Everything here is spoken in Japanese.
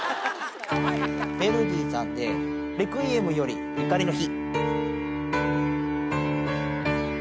ヴェルディさんで、レクイエムより怒りの日。